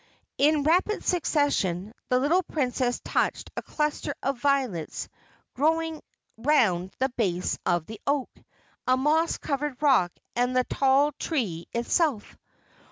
In rapid succession the little Princess touched a cluster of violets growing round the base of the oak, a moss covered rock and the tall tree itself.